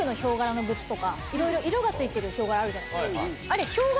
いろいろ色が付いてるヒョウ柄あるじゃないですか。